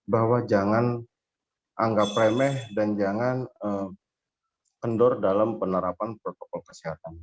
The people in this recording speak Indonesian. bahwa jangan anggap remeh dan jangan kendor dalam penerapan protokol kesehatan